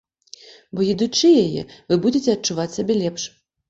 Бо, едучы яе, вы будзеце адчуваць сябе лепш!